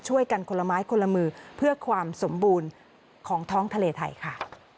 คนละไม้คนละมือเพื่อความสมบูรณ์ของท้องทะเลไทยค่ะ